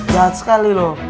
bahat sekali lo